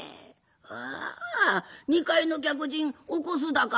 「ああ２階の客人起こすだか？